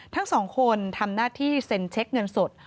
ทั้งสองคนทำหน้าที่เซ็นเช็คเงินสด